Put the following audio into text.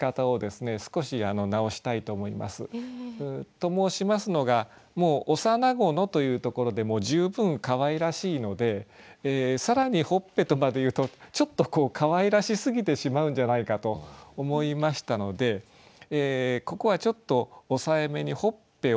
と申しますのがもう「幼子の」というところで十分かわいらしいので更に「頬つぺ」とまで言うとちょっとかわいらしすぎてしまうんじゃないかと思いましたのでここはちょっと抑えめに「頬つぺ」をやめてですね